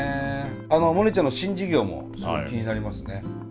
モネちゃんの新事業もすごく気になりますね。